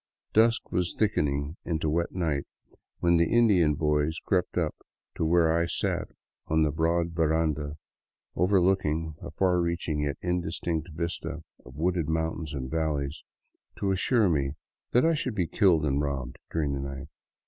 Dusk was thickening into wet night when the Indian boys crept up to where I sat on the broad veranda overlooking a far reaching, yet indistinct vista of wooded mountains and valleys, to as sure me I should be killed and robbed during the night.